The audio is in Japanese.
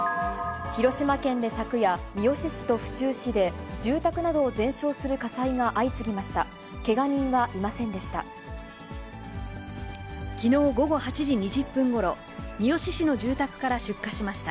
広島県で昨夜、三次市と府中市で、住宅などを全焼する火災が相次ぎました。